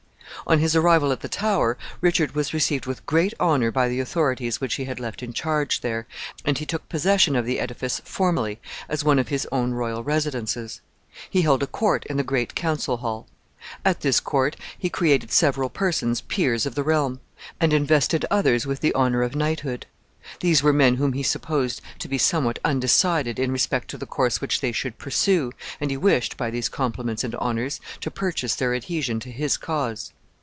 On his arrival at the Tower, Richard was received with great honor by the authorities which he had left in charge there, and he took possession of the edifice formally, as one of his own royal residences. He held a court in the great council hall. At this court he created several persons peers of the realm, and invested others with the honor of knighthood. These were men whom he supposed to be somewhat undecided in respect to the course which they should pursue, and he wished, by these compliments and honors, to purchase their adhesion to his cause.